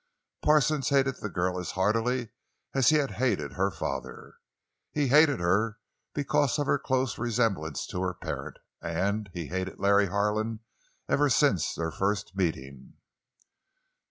Parsons hated the girl as heartily as he had hated her father. He hated her because of her close resemblance to her parent; and he had hated Larry Harlan ever since their first meeting.